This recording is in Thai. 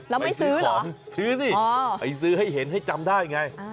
แล้วไม่ซื้อของซื้อสิไปซื้อให้เห็นให้จำได้ไง